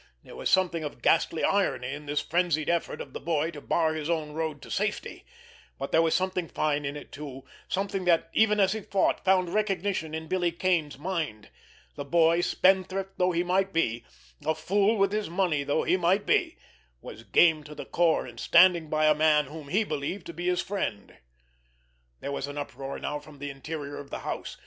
There was something of ghastly irony in this frenzied effort of the boy to bar his own road to safety; but there was something fine in it too, something that, even as he fought, found recognition in Billy Kane's mind. The boy, spendthrift though he might be, a fool with his money though he might be, was game to the core in standing by a man whom he believed to be his friend. There was an uproar now from the interior of the house.